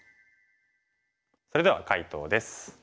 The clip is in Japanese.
それでは解答です。